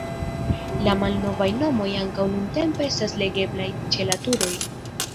La malnovaj nomoj ankaŭ nuntempe estas legeblaj ĉe la turoj.